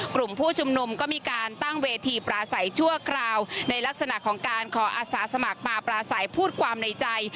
กลุ่มผู้ชุมนุมก็มีการตั้งเวทีปราศัยชั่วคราวในลักษณะของการขออาสาสมัครมาปราศัยพูดความในใจ